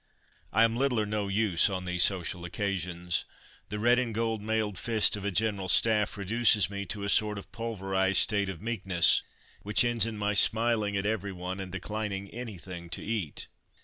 I am little or no use on these social occasions. The red and gold mailed fist of a General Staff reduces me to a sort of pulverized state of meekness, which ends in my smiling at everyone and declining anything to eat.